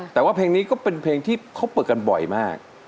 แต่ว่าเพลงนี้ก็เป็นเพลงที่เขาเปิดกันบ่อยมาก